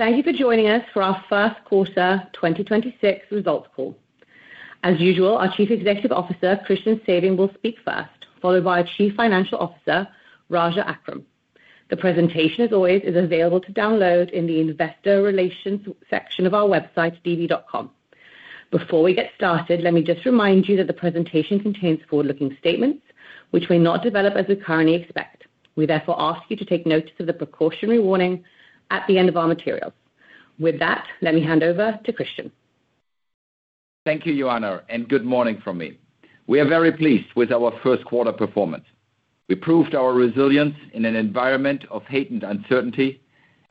Thank you for joining us for our first quarter 2026 results call. As usual, our chief executive officer, Christian Sewing, will speak first, followed by our chief financial officer, Raja Akram. The presentation, as always, is available to download in the investor relations section of our website, db.com. Before we get started, let me just remind you that the presentation contains forward-looking statements which may not develop as we currently expect. We therefore ask you to take notice of the precautionary warning at the end of our material. With that, let me hand over to Christian. Thank you, Ioana, and good morning from me. We are very pleased with our first quarter performance. We proved our resilience in an environment of heightened uncertainty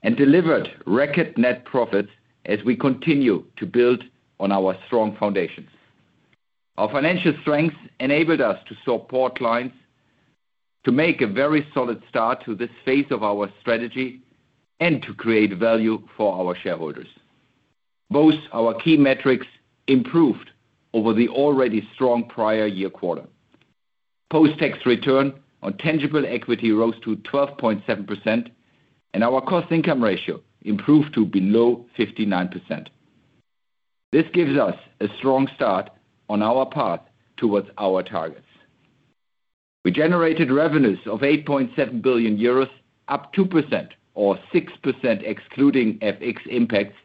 and delivered record net profits as we continue to build on our strong foundations. Our financial strength enabled us to support clients to make a very solid start to this phase of our strategy and to create value for our shareholders. Both our key metrics improved over the already strong prior year quarter. Post-tax return on tangible equity rose to 12.7%, and our cost income ratio improved to below 59%. This gives us a strong start on our path towards our targets. We generated revenues of 8.7 billion euros, up 2% or 6% excluding FX impacts,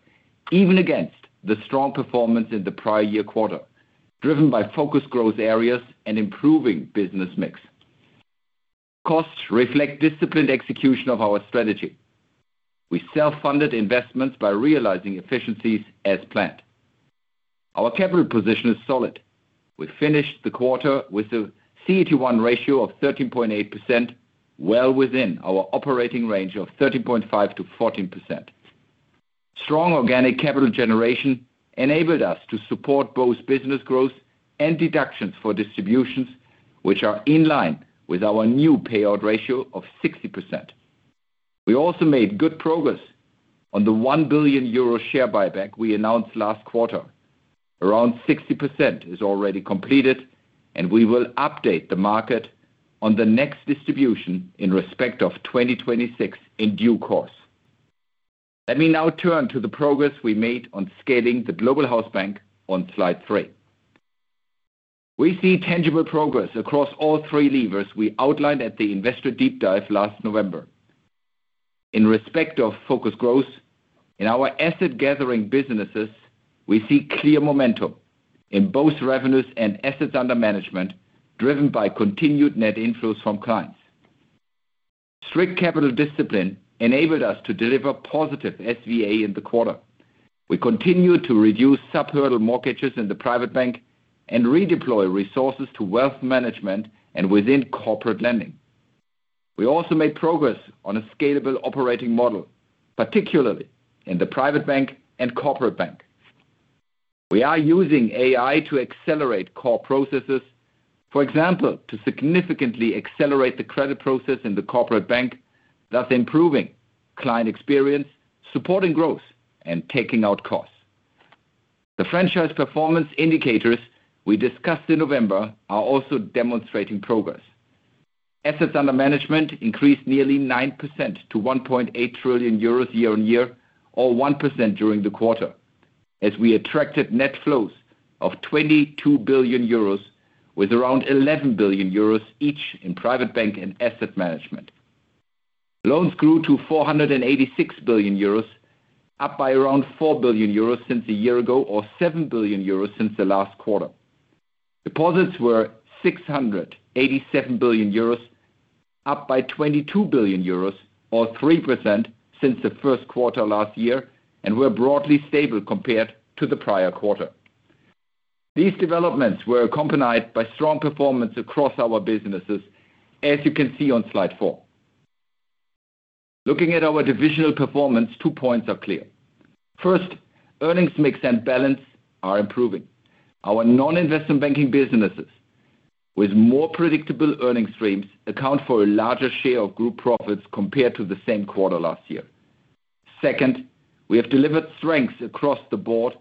even against the strong performance in the prior year quarter, driven by focused growth areas and improving business mix. Costs reflect disciplined execution of our strategy. We self-funded investments by realizing efficiencies as planned. Our capital position is solid. We finished the quarter with a CET1 ratio of 13.8%, well within our operating range of 13.5%-14%. Strong organic capital generation enabled us to support both business growth and deductions for distributions, which are in line with our new payout ratio of 60%. We also made good progress on the 1 billion euro share buyback we announced last quarter. Around 60% is already completed, and we will update the market on the next distribution in respect of 2026 in due course. Let me now turn to the progress we made on scaling the global house bank on slide three. We see tangible progress across all three levers we outlined at the Investor Deep Dive last November. In respect of focused growth, in our asset gathering businesses, we see clear momentum in both revenues and assets under management, driven by continued net inflows from clients. Strict capital discipline enabled us to deliver positive SVA in the quarter. We continue to reduce sub-hurdle mortgages in the Private Bank and redeploy resources to wealth management and within corporate lending. We also made progress on a scalable operating model, particularly in the Private Bank and Corporate Bank. We are using AI to accelerate core processes. For example, to significantly accelerate the credit process in the Corporate Bank, thus improving client experience, supporting growth and taking out costs. The franchise performance indicators we discussed in November are also demonstrating progress. Assets under management increased nearly 9% to 1.8 trillion euros year-on-year, or 1% during the quarter, as we attracted net flows of 22 billion euros with around 11 billion euros each in Private Bank and Asset Management. Loans grew to 486 billion euros, up by around 4 billion euros since a year ago or 7 billion euros since the last quarter. Deposits were 687 billion euros, up by 22 billion euros or 3% since the first quarter last year and were broadly stable compared to the prior quarter. These developments were accompanied by strong performance across our businesses, as you can see on slide four. Looking at our divisional performance, two points are clear. First, earnings mix and balance are improving. Our non-investment banking businesses with more predictable earning streams account for a larger share of group profits compared to the same quarter last year. Second, we have delivered strengths across the board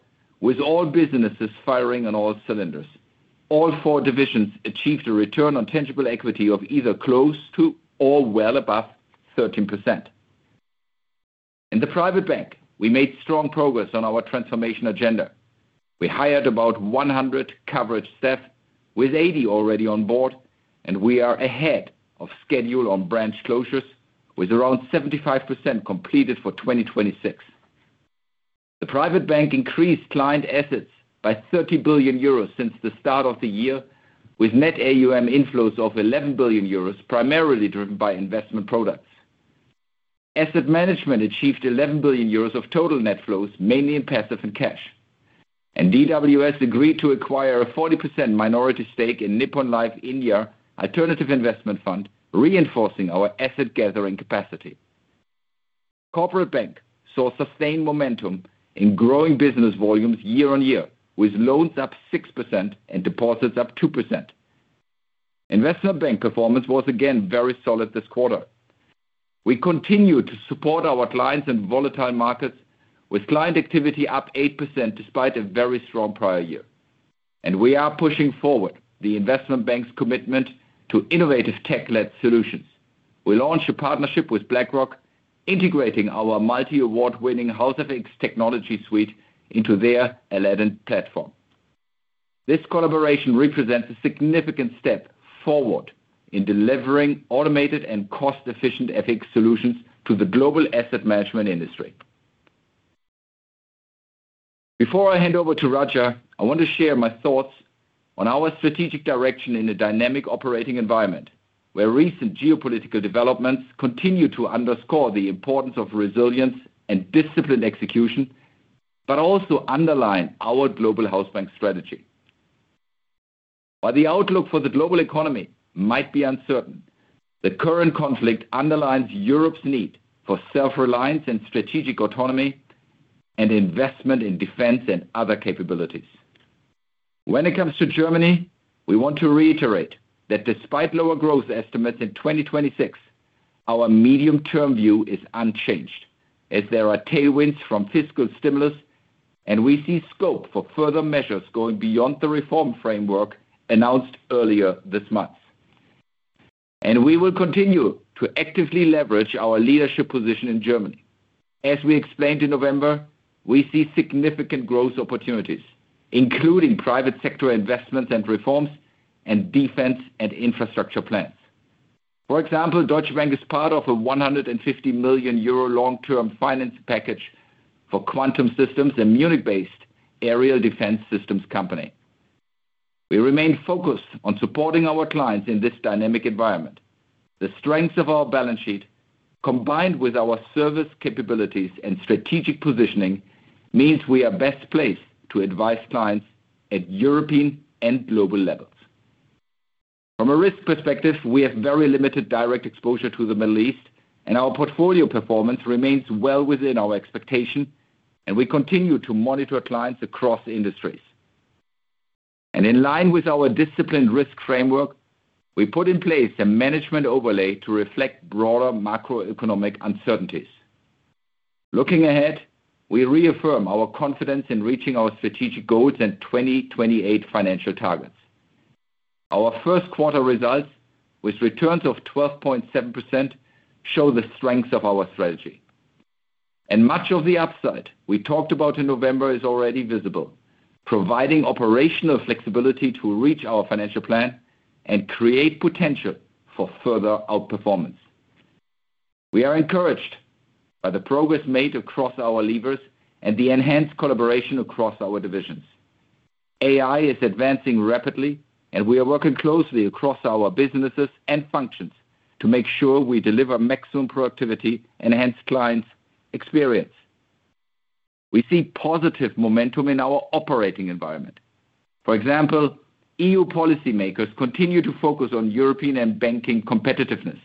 with all businesses firing on all cylinders. All four divisions achieved a return on tangible equity of either close to or well above 13%. In the Private Bank, we made strong progress on our transformation agenda. We hired about 100 coverage staff with 80 already on board, and we are ahead of schedule on branch closures, with around 75% completed for 2026. The Private Bank increased client assets by 30 billion euros since the start of the year, with net AUM inflows of 11 billion euros, primarily driven by investment products. Asset Management achieved 11 billion euros of total net flows, mainly in passive and cash. DWS agreed to acquire a 40% minority stake in Nippon Life India Alternative Investment Fund, reinforcing our asset gathering capacity. Corporate Bank saw sustained momentum in growing business volumes year-on-year, with loans up 6% and deposits up 2%. Investment Bank performance was again very solid this quarter. We continue to support our clients in volatile markets, with client activity up 8% despite a very strong prior year. We are pushing forward the Investment Bank's commitment to innovative tech-led solutions. We launched a partnership with BlackRock, integrating our multi-award-winning House of FX technology suite into their Aladdin platform. This collaboration represents a significant step forward in delivering automated and cost-efficient FX solutions to the global Asset Management industry. Before I hand over to Raja, I want to share my thoughts on our strategic direction in a dynamic operating environment, where recent geopolitical developments continue to underscore the importance of resilience and disciplined execution, but also underline our global house bank strategy. While the outlook for the global economy might be uncertain, the current conflict underlines Europe's need for self-reliance and strategic autonomy and investment in defense and other capabilities. When it comes to Germany, we want to reiterate that despite lower growth estimates in 2026, our medium-term view is unchanged as there are tailwinds from fiscal stimulus, and we see scope for further measures going beyond the reform framework announced earlier this month. We will continue to actively leverage our leadership position in Germany. As we explained in November, we see significant growth opportunities, including private sector investments and reforms and defense and infrastructure plans. For example, Deutsche Bank is part of a 150 million euro long-term finance package for Quantum-Systems, a Munich-based aerial defense systems company. We remain focused on supporting our clients in this dynamic environment. The strengths of our balance sheet, combined with our service capabilities and strategic positioning, means we are best placed to advise clients at European and global levels. From a risk perspective, we have very limited direct exposure to the Middle East, and our portfolio performance remains well within our expectation, and we continue to monitor clients across industries. In line with our disciplined risk framework, we put in place a management overlay to reflect broader macroeconomic uncertainties. Looking ahead, we reaffirm our confidence in reaching our strategic goals and 2028 financial targets. Our first quarter results, with returns of 12.7%, show the strengths of our strategy. Much of the upside we talked about in November is already visible, providing operational flexibility to reach our financial plan and create potential for further outperformance. We are encouraged by the progress made across our levers and the enhanced collaboration across our divisions. AI is advancing rapidly, and we are working closely across our businesses and functions to make sure we deliver maximum productivity, enhanced clients experience. We see positive momentum in our operating environment. For example, EU policymakers continue to focus on European and banking competitiveness,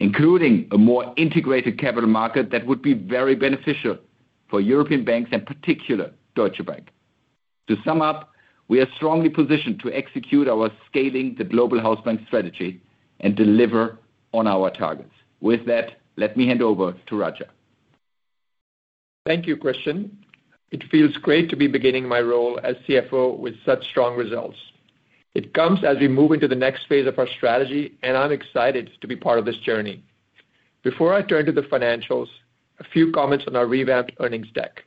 including a more integrated capital market that would be very beneficial for European banks and particular Deutsche Bank. To sum up, we are strongly positioned to execute our scaling the global house bank strategy and deliver on our targets. With that, let me hand over to Raja. Thank you, Christian. It feels great to be beginning my role as CFO with such strong results. It comes as we move into the next phase of our strategy, and I'm excited to be part of this journey. Before I turn to the financials, a few comments on our revamped earnings deck.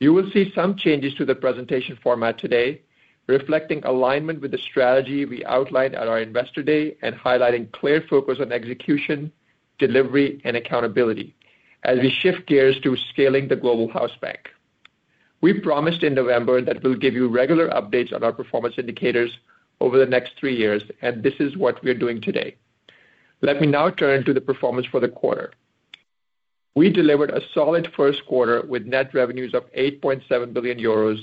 You will see some changes to the presentation format today, reflecting alignment with the strategy we outlined at our Investor Day and highlighting clear focus on execution, delivery, and accountability as we shift gears to scaling the global house bank. We promised in November that we'll give you regular updates on our performance indicators over the next three years, and this is what we are doing today. Let me now turn to the performance for the quarter. We delivered a solid first quarter with net revenues of 8.7 billion euros,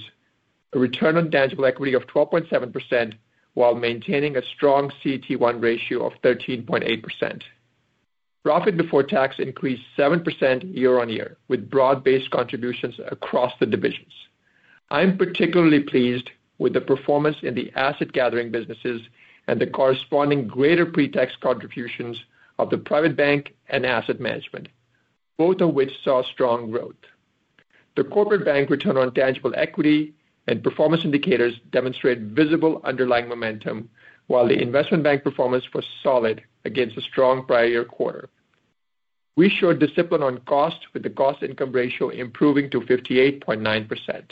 a return on tangible equity of 12.7% while maintaining a strong CET1 ratio of 13.8%. Profit before tax increased 7% year-on-year with broad-based contributions across the divisions. I'm particularly pleased with the performance in the asset gathering businesses and the corresponding greater pre-tax contributions of the Private Bank and Asset Management, both of which saw strong growth. The Corporate Bank return on tangible equity and performance indicators demonstrate visible underlying momentum, while the Investment Bank performance was solid against a strong prior year quarter. We showed discipline on cost with the cost income ratio improving to 58.9%.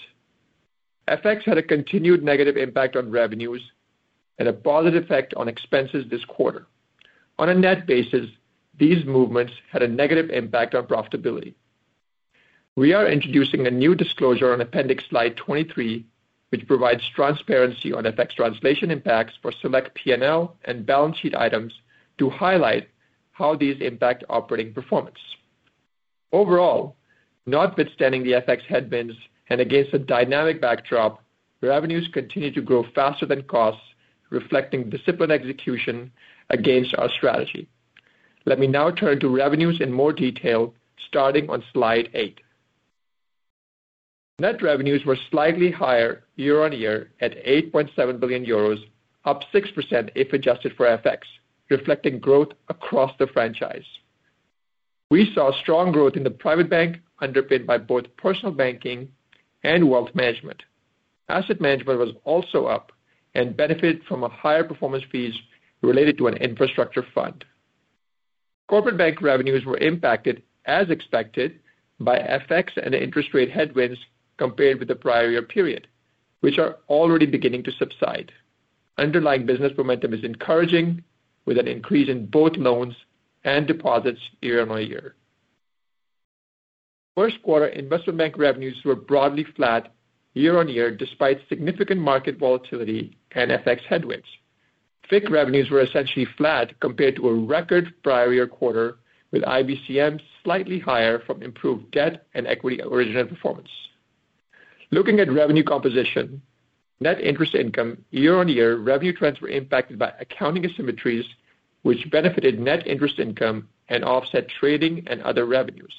FX had a continued negative impact on revenues and a positive effect on expenses this quarter. On a net basis, these movements had a negative impact on profitability. We are introducing a new disclosure on appendix slide 23, which provides transparency on FX translation impacts for select P&L and balance sheet items to highlight how these impact operating performance. Overall, notwithstanding the FX headwinds and against a dynamic backdrop, revenues continue to grow faster than costs, reflecting disciplined execution against our strategy. Let me now turn to revenues in more detail, starting on slide eight. Net revenues were slightly higher year-on-year at 8.7 billion euros, up 6% if adjusted for FX, reflecting growth across the franchise. We saw strong growth in the Private Bank underpinned by both personal banking and wealth management. Asset Management was also up and benefited from higher performance fees related to an infrastructure fund. Corporate Bank revenues were impacted as expected by FX and interest rate headwinds compared with the prior year period, which are already beginning to subside. Underlying business momentum is encouraging with an increase in both loans and deposits year-on-year. First quarter Investment Bank revenues were broadly flat year-on-year despite significant market volatility and FX headwinds. FICC revenues were essentially flat compared to a record prior year quarter, with IBCM slightly higher from improved debt and equity original performance. Looking at revenue composition, net interest income year-on-year revenue trends were impacted by accounting asymmetries which benefited net interest income and offset trading and other revenues.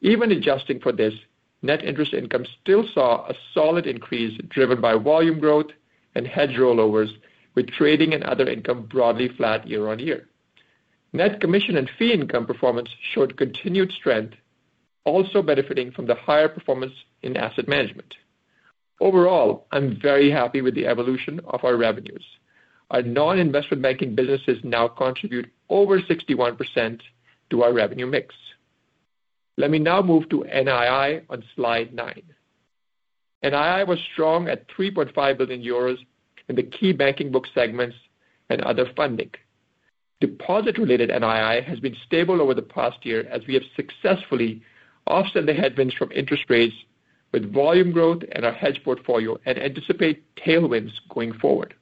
Even adjusting for this, net interest income still saw a solid increase driven by volume growth and hedge rollovers, with trading and other income broadly flat year-on-year. Net commission and fee income performance showed continued strength, also benefiting from the higher performance in Asset Management. Overall, I'm very happy with the evolution of our revenues. Our non-investment banking businesses now contribute over 61% to our revenue mix. Let me now move to NII on slide nine. NII was strong at 3.5 billion euros in the key banking book segments and other funding. Deposit-related NII has been stable over the past year as we have successfully offset the headwinds from interest rates with volume growth and our hedge portfolio and anticipate tailwinds going forward.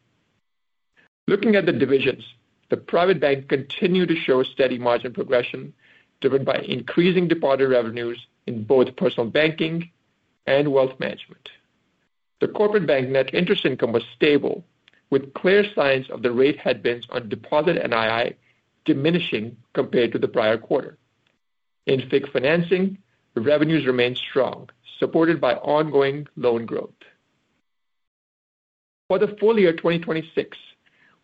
Looking at the divisions, the Private Bank continued to show steady margin progression driven by increasing deposit revenues in both personal banking and wealth management. The Corporate Bank net interest income was stable, with clear signs of the rate headwinds on deposit NII diminishing compared to the prior quarter. In FICC financing, revenues remained strong, supported by ongoing loan growth. For the full year 2026,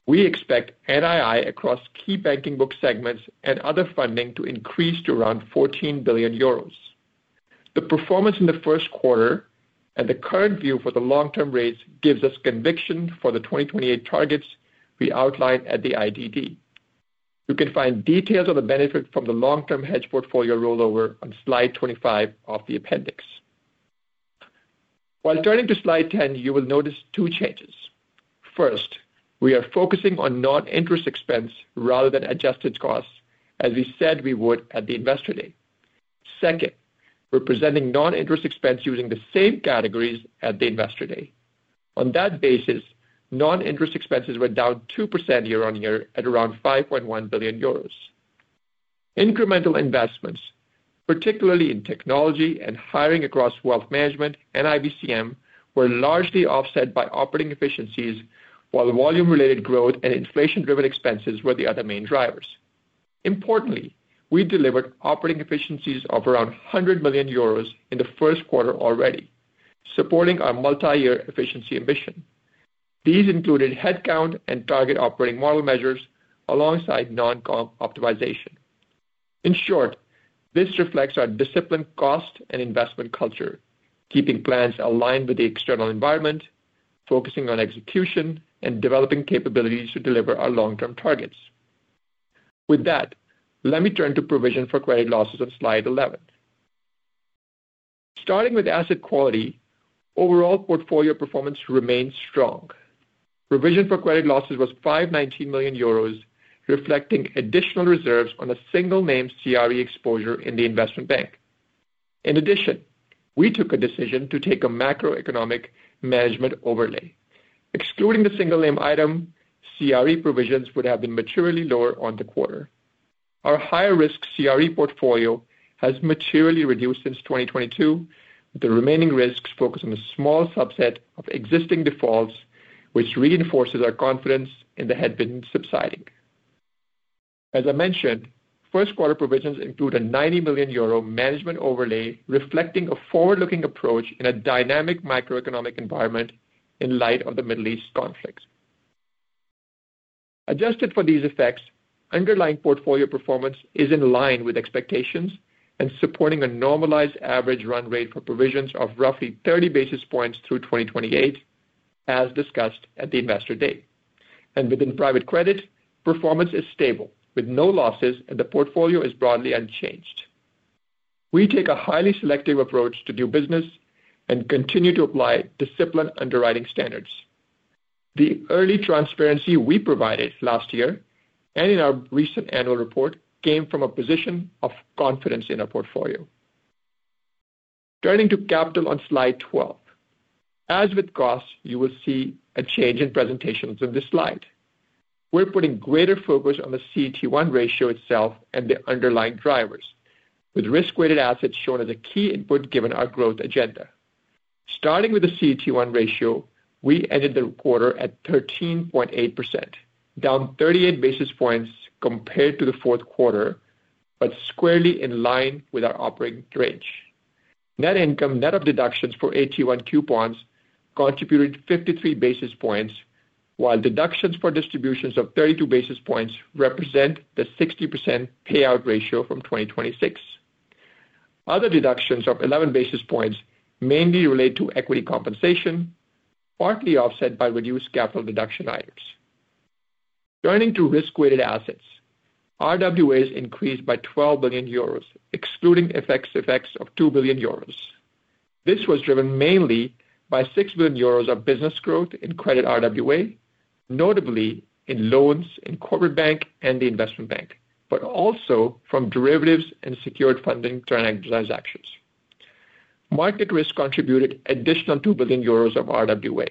we expect NII across key banking book segments and other funding to increase to around 14 billion euros. The performance in the first quarter and the current view for the long-term rates gives us conviction for the 2028 targets we outlined at the IDD. You can find details of the benefit from the long-term hedge portfolio rollover on slide 25 of the appendix. Turning to slide 10, you will notice two changes. First, we are focusing on non-interest expense rather than adjusted costs, as we said we would at the investor day. Second, we're presenting non-interest expense using the same categories at the investor day. On that basis, non-interest expenses were down 2% year-over-year at around 5.1 billion euros. Incremental investments, particularly in technology and hiring across wealth management and IBCM, were largely offset by operating efficiencies, while volume-related growth and inflation-driven expenses were the other main drivers. Importantly, we delivered operating efficiencies of around 100 million euros in the first quarter already, supporting our multi-year efficiency ambition. These included headcount and target operating model measures alongside non-comp optimization. In short, this reflects our disciplined cost and investment culture, keeping plans aligned with the external environment, focusing on execution, and developing capabilities to deliver our long-term targets. With that, let me turn to provision for credit losses on slide 11. Starting with asset quality, overall portfolio performance remains strong. Provision for credit losses was 519 million euros, reflecting additional reserves on a single name CRE exposure in the Investment Bank. In addition, we took a decision to take a macroeconomic management overlay. Excluding the single name item, CRE provisions would have been materially lower on the quarter. Our higher-risk CRE portfolio has materially reduced since 2022. The remaining risks focus on a small subset of existing defaults, which reinforces our confidence in the headwinds subsiding. As I mentioned, first quarter provisions include a 90 million euro management overlay reflecting a forward-looking approach in a dynamic macroeconomic environment in light of the Middle East conflict. Adjusted for these effects, underlying portfolio performance is in line with expectations and supporting a normalized average run rate for provisions of roughly 30 basis points through 2028, as discussed at the Investor Day. Within private credit, performance is stable, with no losses, and the portfolio is broadly unchanged. We take a highly selective approach to do business and continue to apply disciplined underwriting standards. The early transparency we provided last year and in our recent annual report came from a position of confidence in our portfolio. Turning to capital on slide 12. As with costs, you will see a change in presentations on this slide. We're putting greater focus on the CET1 ratio itself and the underlying drivers, with Risk-Weighted Assets shown as a key input given our growth agenda. Starting with the CET1 ratio, we ended the quarter at 13.8%, down 38 basis points compared to the fourth quarter, but squarely in line with our operating range. Net income, net of deductions for AT1 coupons contributed 53 basis points, while deductions for distributions of 32 basis points represent the 60% payout ratio from 2026. Other deductions of 11 basis points mainly relate to equity compensation, partly offset by reduced capital deduction items. Turning to Risk-Weighted Assets. RWAs increased by 12 billion euros, excluding FX effects of 2 billion euros. This was driven mainly by 6 billion euros of business growth in credit RWA, notably in loans in Corporate Bank and the Investment Bank, but also from derivatives and secured funding transactions. Market risk contributed additional 2 billion euros of RWA.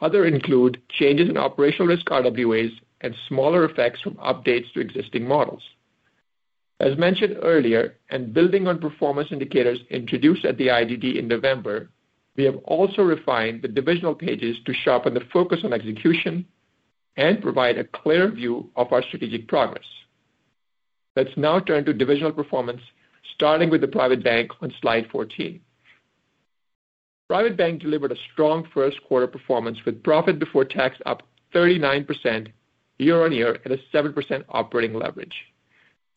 Other include changes in operational risk RWAs and smaller effects from updates to existing models. As mentioned earlier, and building on performance indicators introduced at the IDD in November, we have also refined the divisional pages to sharpen the focus on execution and provide a clear view of our strategic progress. Let's now turn to divisional performance, starting with the Private Bank on slide 14. Private Bank delivered a strong first quarter performance with profit before tax up 39% year-on-year at a 7% operating leverage.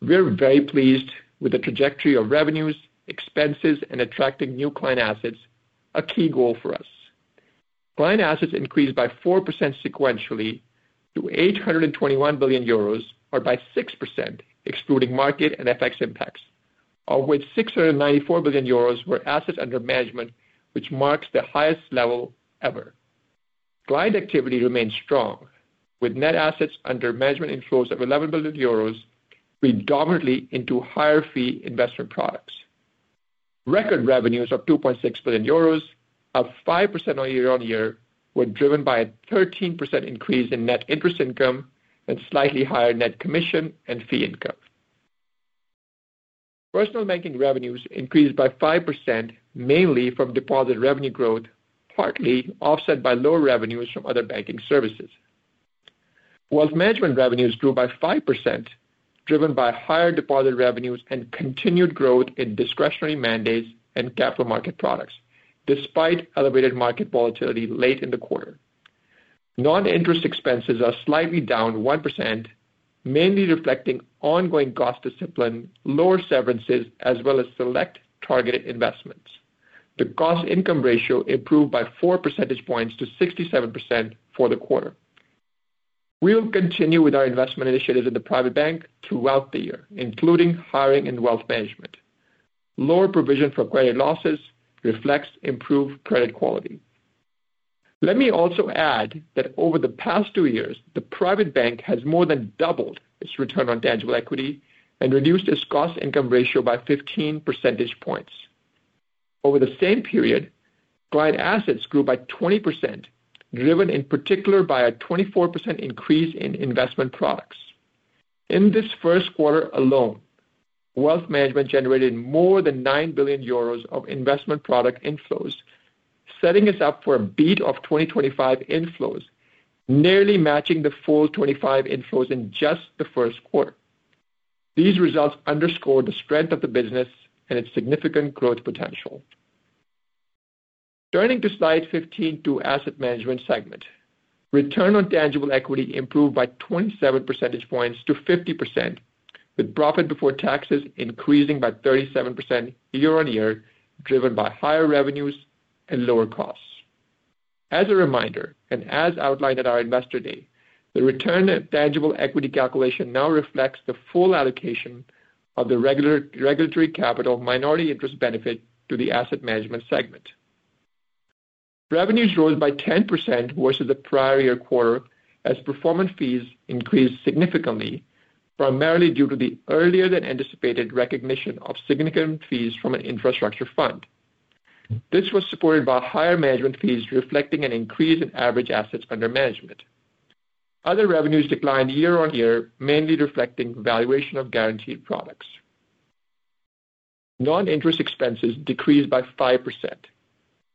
We are very pleased with the trajectory of revenues, expenses, and attracting new client assets, a key goal for us. Client assets increased by 4% sequentially to 821 billion euros, or by 6% excluding market and FX impacts, of which 694 billion euros were assets under management, which marks the highest level ever. Client activity remains strong, with net assets under management inflows of 11 billion euros predominantly into higher fee investment products. Record revenues of 2.6 billion euros, up 5% year-on-year, were driven by a 13% increase in net interest income and slightly higher net commission and fee income. Personal banking revenues increased by 5%, mainly from deposit revenue growth, partly offset by lower revenues from other banking services. Wealth management revenues grew by 5%, driven by higher deposit revenues and continued growth in discretionary mandates and capital market products despite elevated market volatility late in the quarter. Non-interest expenses are slightly down 1%, mainly reflecting ongoing cost discipline, lower severances, as well as select targeted investments. The cost-income ratio improved by four percentage points to 67% for the quarter. We will continue with our investment initiatives in the Private Bank throughout the year, including hiring and wealth management. Lower provision for credit losses reflects improved credit quality. Let me also add that over the past two years, the Private Bank has more than doubled its return on tangible equity and reduced its cost-income ratio by 15 percentage points. Over the same period, client assets grew by 20%, driven in particular by a 24% increase in investment products. In this first quarter alone, wealth management generated more than 9 billion euros of investment product inflows, setting us up for a beat of 2025 inflows, nearly matching the full 2025 inflows in just the first quarter. These results underscore the strength of the business and its significant growth potential. Turning to slide 15 to Asset Management segment. Return on tangible equity improved by 27 percentage points to 50%, with profit before taxes increasing by 37% year-on-year, driven by higher revenues and lower costs. As a reminder, and as outlined at our investor day, the return on tangible equity calculation now reflects the full allocation of the regulatory capital minority interest benefit to the Asset Management segment. Revenues rose by 10% versus the prior year quarter as performance fees increased significantly, primarily due to the earlier than anticipated recognition of significant fees from an infrastructure fund. This was supported by higher management fees reflecting an increase in average assets under management. Other revenues declined year-on-year, mainly reflecting valuation of guaranteed products. Non-interest expenses decreased by 5%,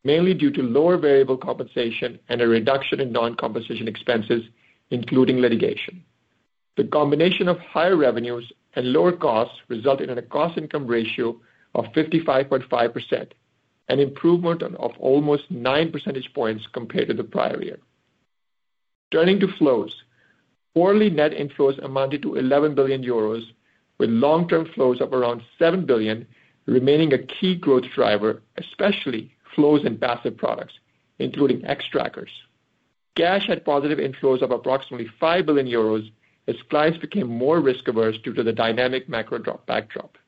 mainly due to lower variable compensation and a reduction in non-compensation expenses, including litigation. The combination of higher revenues and lower costs resulted in a cost income ratio of 55.5%, an improvement of almost nine percentage points compared to the prior year. Turning to flows. Quarterly net inflows amounted to 11 billion euros, with long-term flows of around 7 billion remaining a key growth driver, especially flows in passive products, including Xtrackers. Cash had positive inflows of approximately 5 billion euros as clients became more risk-averse due to the dynamic macro backdrop.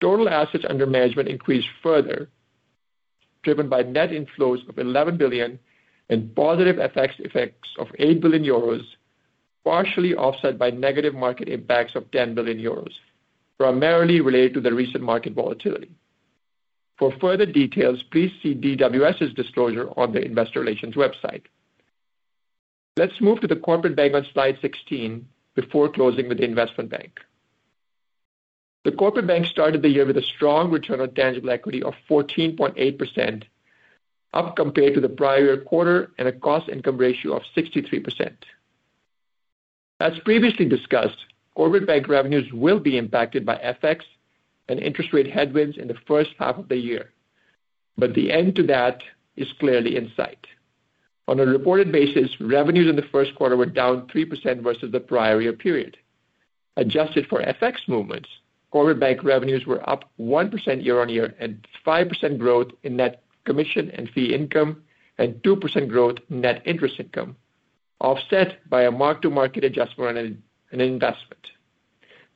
Total assets under management increased further, driven by net inflows of 11 billion and positive FX effects of 8 billion euros, partially offset by negative market impacts of 10 billion euros, primarily related to the recent market volatility. For further details, please see DWS's disclosure on the investor relations website. Let's move to the Corporate Bank on slide 16 before closing with the Investment Bank. The Corporate Bank started the year with a strong return on tangible equity of 14.8%, up compared to the prior year quarter and a cost income ratio of 63%. As previously discussed, Corporate Bank revenues will be impacted by FX and interest rate headwinds in the first half of the year. The end to that is clearly in sight. On a reported basis, revenues in the first quarter were down 3% versus the prior year period. Adjusted for FX movements, Corporate Bank revenues were up 1% year-on-year and 5% growth in net commission and fee income, and 2% growth net interest income, offset by a mark-to-market adjustment and an investment.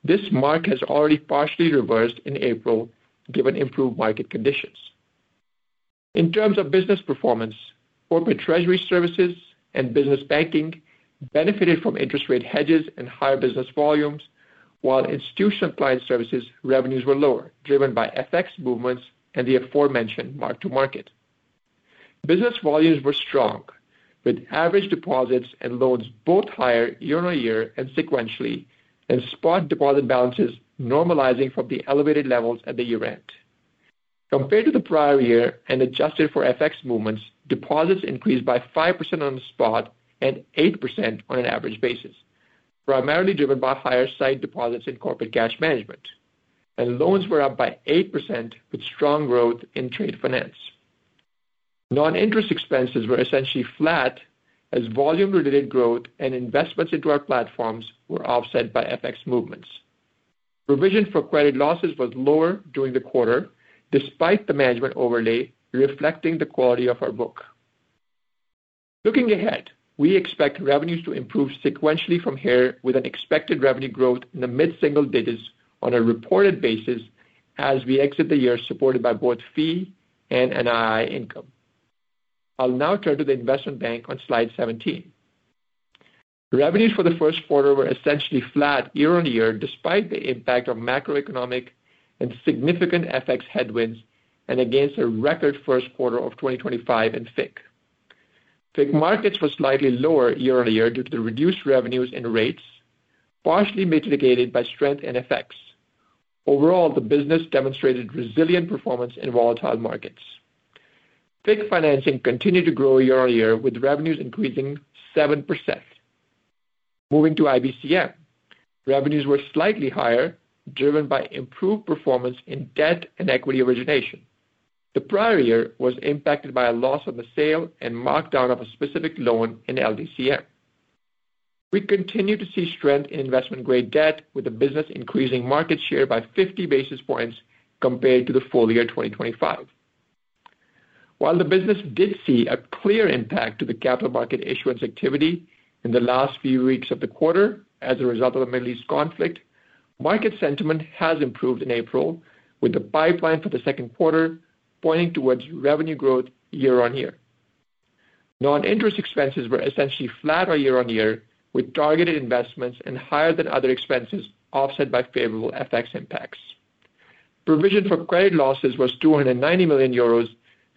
This mark has already partially reversed in April given improved market conditions. In terms of business performance, Corporate Treasury Services and Business Banking benefited from interest rate hedges and higher business volumes. While Institution Client Services revenues were lower driven by FX movements and the aforementioned mark-to-market. Business volumes were strong, with average deposits and loans both higher year-on-year and sequentially, and spot deposit balances normalizing from the elevated levels at the year-end. Compared to the prior year and adjusted for FX movements, deposits increased by 5% on the spot and 8% on an average basis, primarily driven by higher site deposits in corporate cash management. Loans were up by 8% with strong growth in trade finance. Non-interest expenses were essentially flat as volume-related growth and investments into our platforms were offset by FX movements. Provision for credit losses was lower during the quarter despite the management overlay reflecting the quality of our book. Looking ahead, we expect revenues to improve sequentially from here with an expected revenue growth in the mid-single digits on a reported basis as we exit the year supported by both fee and NII income. I'll now turn to the Investment Bank on slide 17. Revenues for the first quarter were essentially flat year-on-year despite the impact of macroeconomic and significant FX headwinds and against a record first quarter of 2025 in FIC. FIC markets were slightly lower year-on-year due to the reduced revenues and rates, partially mitigated by strength in FX. Overall, the business demonstrated resilient performance in volatile markets. FIC financing continued to grow year-on-year with revenues increasing 7%. Moving to IBCM, revenues were slightly higher, driven by improved performance in debt and equity origination. The prior year was impacted by a loss on the sale and markdown of a specific loan in LDCM. We continue to see strength in investment-grade debt, with the business increasing market share by 50 basis points compared to the full year 2025. While the business did see a clear impact to the capital market issuance activity in the last few weeks of the quarter as a result of the Middle East conflict, market sentiment has improved in April, with the pipeline for the second quarter pointing towards revenue growth year-on-year. Non-interest expenses were essentially flat on year-on-year, with targeted investments and higher than other expenses offset by favorable FX impacts. Provision for credit losses was 290 million euros,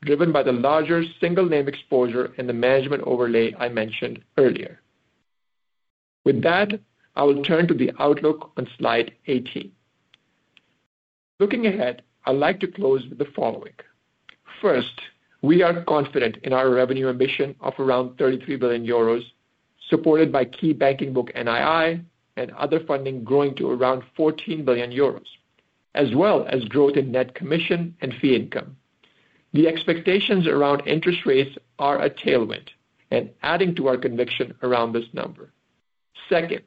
driven by the larger single name exposure in the management overlay I mentioned earlier. With that, I will turn to the outlook on slide 18. Looking ahead, I'd like to close with the following. First, we are confident in our revenue ambition of around 33 billion euros, supported by key banking book NII and other funding growing to around 14 billion euros, as well as growth in net commission and fee income. The expectations around interest rates are a tailwind and adding to our conviction around this number. Second,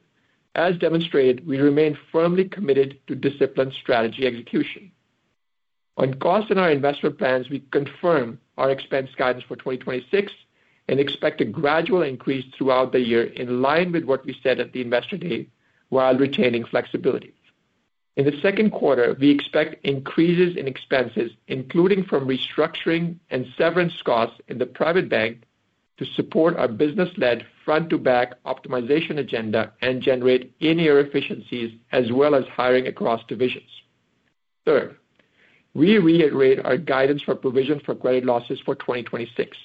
as demonstrated, we remain firmly committed to disciplined strategy execution. On cost and our investment plans, we confirm our expense guidance for 2026 and expect a gradual increase throughout the year in line with what we said at the Investor Day while retaining flexibility. In the second quarter, we expect increases in expenses, including from restructuring and severance costs in the Private Bank to support our business-led front-to-back optimization agenda and generate in-year efficiencies as well as hiring across divisions. Third, we reiterate our guidance for provision for credit losses for 2026.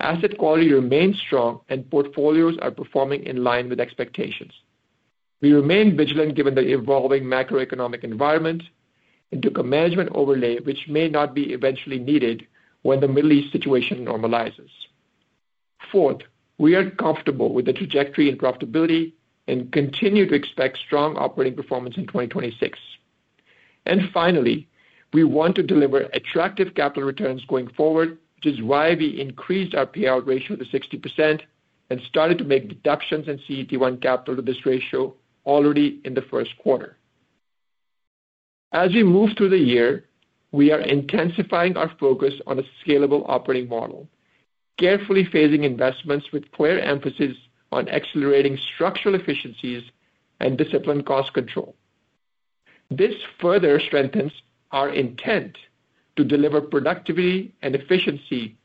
Asset quality remains strong and portfolios are performing in line with expectations. We remain vigilant given the evolving macroeconomic environment and took a management overlay, which may not be eventually needed when the Middle East situation normalizes. Fourth, we are comfortable with the trajectory and profitability and continue to expect strong operating performance in 2026. Finally, we want to deliver attractive capital returns going forward, which is why we increased our payout ratio to 60% and started to make deductions in CET1 capital to this ratio already in the first quarter. As we move through the year, we are intensifying our focus on a scalable operating model, carefully phasing investments with clear emphasis on accelerating structural efficiencies and disciplined cost control. This further strengthens our intent to deliver productivity and efficiency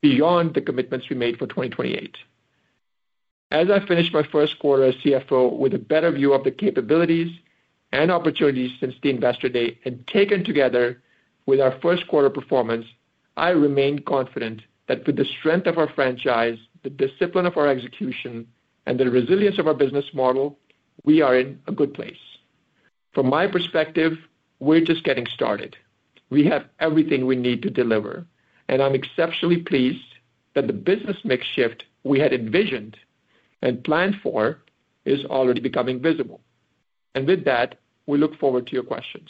beyond the commitments we made for 2028. As I finish my first quarter as CFO with a better view of the capabilities and opportunities since the Investor Day, taken together with our first quarter performance, I remain confident that with the strength of our franchise, the discipline of our execution, and the resilience of our business model, we are in a good place. From my perspective, we're just getting started. We have everything we need to deliver. I'm exceptionally pleased that the business mix shift we had envisioned and planned for is already becoming visible. With that, we look forward to your questions.